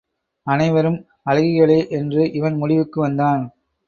அனைவரும் அழகிகளே என்று இவன் முடிவுக்கு வந்தான்.